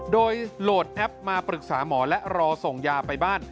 โดยโหลดแอปมาปรึกษาหมอและรอส่งยาไปบ้าน